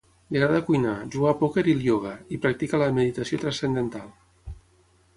Li agrada cuinar, jugar a pòquer, i el ioga, i practica la meditació transcendental.